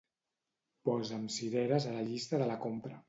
Posa'm cireres a la llista de la compra.